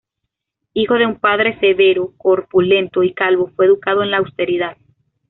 Hijo de un padre severo, corpulento y calvo, fue educado en la austeridad.